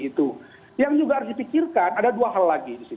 itu yang juga harus dipikirkan ada dua hal lagi